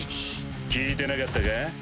聞いてなかったか？